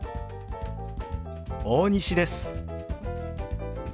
大西です。